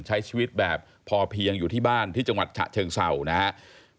ใช้ชีวิตแบบพอเพียงอยู่ที่บ้านที่จังหวัดฉะเชิงเศร้านะครับ